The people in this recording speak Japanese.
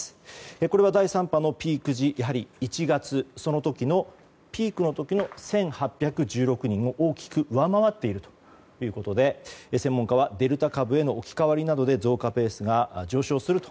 これは第３波のピーク時やはり１月、その時のピークの時の１８１６人を大きく上回っているということで専門家はデルタ株への置き換わりなどで増加ペースが上昇すると。